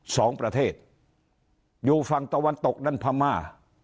สองประเทศอยู่ฝั่งตะวันตกด้านพม่า